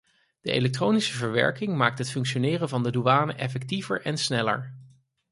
De elektronische verwerking maakt het functioneren van de douane effectiever en sneller.